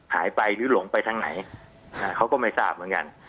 หายไปหรือหลงไปทางไหนเขาก็ไม่ทราบเหมือนกัน